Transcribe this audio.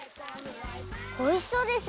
おいしそうですね！